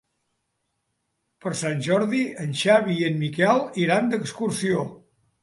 Per Sant Jordi en Xavi i en Miquel iran d'excursió.